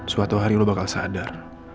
suatu hari lo bakal sadar